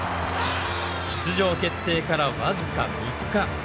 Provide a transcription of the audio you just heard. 出場決定から僅か３日。